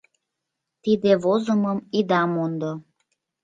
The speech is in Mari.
Тиде возымым ида мондо.